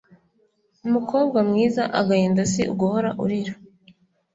mukobwa mwiza Agahinda si uguhora urira